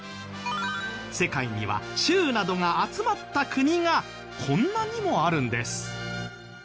世界には州などが集まった国がこんなにもあるんです。